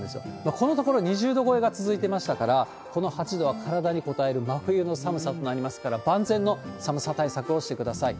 このところ２０度超えが続いてましたから、この８度は体に堪える真冬の寒さとなりますから、万全の寒さ対策をしてください。